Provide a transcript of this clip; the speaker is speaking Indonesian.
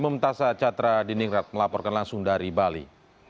mumtasa catra diningrat melaporkan langsung dari bali